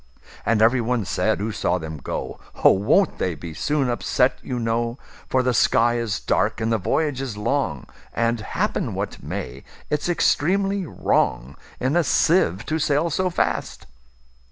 And every one said who saw them go,"Oh! won't they be soon upset, you know:For the sky is dark, and the voyage is long; And, happen what may, it 's extremely wrongIn a sieve to sail so fast."